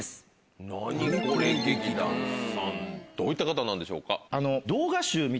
劇団さんどういった方なんでしょうか？